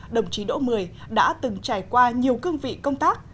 đồng chí đỗ mười đã từng trải qua nhiều cương vị công tác